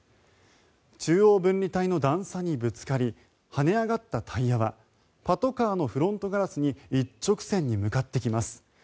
中央分離帯の段差にぶつかり跳ね上がったタイヤはパトカーのフロントガラスに一直線に向かってきます。